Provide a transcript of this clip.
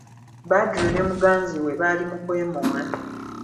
Badru ne muganzi we baali mu kwemoola.